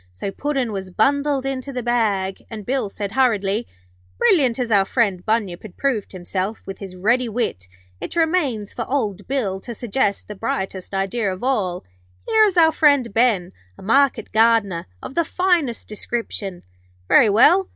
So Puddin' was bundled into the bag, and Bill said, hurriedly: 'Brilliant as our friend Bunyip had proved himself with his ready wit, it remains for old Bill to suggest the brightest idea of all. Here is our friend Ben, a market gardener of the finest description. Very well.